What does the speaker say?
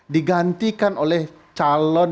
digantikan oleh calon